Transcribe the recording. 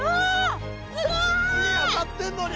火当たってんのに！